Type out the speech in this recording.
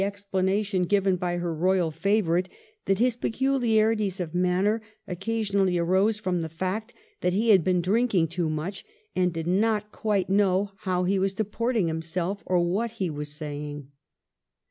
explanation given by the royal favourite that his peculiarities of manner occasionally arose from the fact that he had been drinking too much, and did not quite know how he was deporting himself or what he was saying.